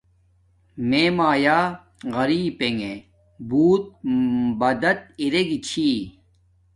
میے مایا غریپنگے بوت بدد ارگی چھی